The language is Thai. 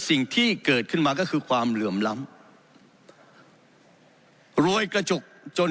สิ่งที่เกิดขึ้นมาก็คือความเหลื่อมล้ำโรยกระจกจน